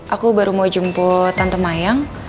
aku baru mau jemput tante mayang